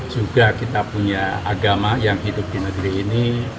juga kita punya agama yang hidup di negeri ini